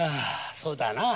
そうだな。